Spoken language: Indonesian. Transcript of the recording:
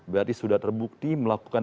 berarti sudah terbukti melakukan